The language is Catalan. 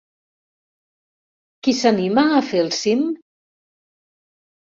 Qui s'anima a fer el cim?